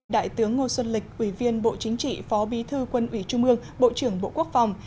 đại tướng ngô xuân lịch ủy viên bộ chính trị phó bí thư quân ủy trung ương bộ trưởng bộ quốc phòng